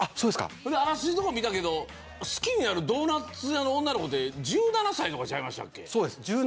あらすじの所見たけど好きになるドーナツ屋の女の子は１７歳とかちゃいましたっけ。